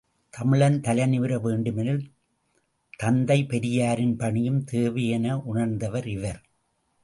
தமிழன் தலைநிமிர வேண்டுமெனில், தந்தை பெரியாரின் பணியும் தேவை என உணர்ந்தவர் இவர்.